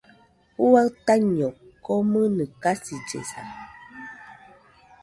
Juaɨ taiño komɨnɨ kasillesa.